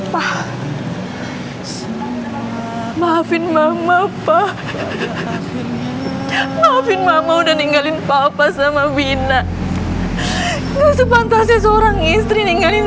pak maafin mama pak maafin mama udah ninggalin papa sama bina nggak sepantasnya seorang istri ninggalin